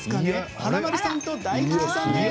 華丸さんと大吉さんです。